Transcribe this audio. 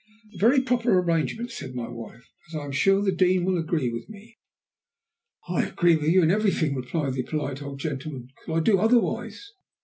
"A very proper arrangement," said my wife, "as I am sure the Dean will agree with me." "I agree with you in everything," replied the polite old gentleman. "Could I do otherwise?"